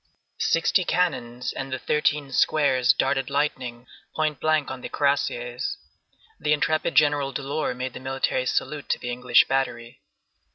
Sixty cannons and the thirteen squares darted lightning point blank on the cuirassiers. The intrepid General Delort made the military salute to the English battery.